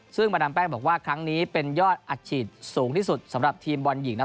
ซึ่งมาดามแป้งบอกว่าครั้งนี้เป็นยอดอัดฉีดสูงที่สุดสำหรับทีมบอลหญิง